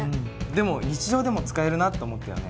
でも日常でも使えるなって思ったよね。